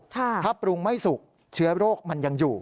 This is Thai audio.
ถ้าปรุงไม่สุกเชื้อโรคมันยังอยู่